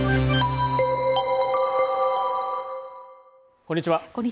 こんにちは